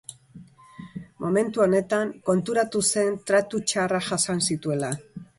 Momentu honetan konturatu zen tratu txarrak jasan zituela.